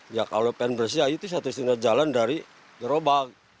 ya kalau pengen bersih air itu satu setinggal jalan dari gerobak